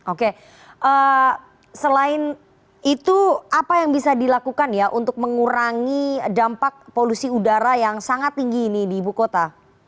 oke selain itu apa yang bisa dilakukan ya untuk mengurangi dampak polusi udara yang sangat tinggi ini di ibu kota